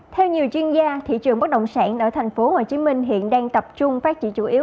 theo nhiều chuyên gia thị trường bất động sản ở tp hcm hiện đang tập trung phát triển chủ yếu